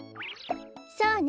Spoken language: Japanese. そうね。